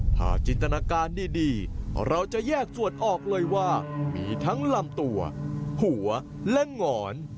ถ้าจินตนาการดีเราจะแยกส่วนออกเลยว่ามีทั้งลำตัวหัวและหงอน